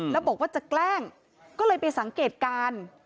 แล้วบอกว่าจะแกล้งก็เลยไปสังเกตการ